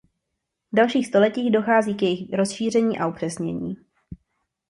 V dalších stoletích dochází k jejich rozšíření a upřesnění.